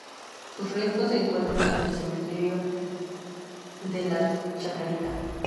Sus restos se encuentran en el cementerio de la Chacarita.